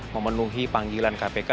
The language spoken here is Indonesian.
memenuhi panggilan kpk